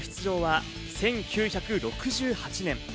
前回の出場は１９６８年。